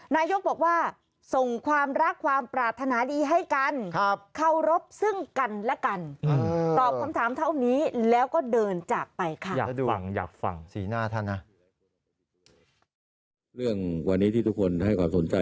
นายกบอกว่าส่งความรักความปราธนาดีให้กัน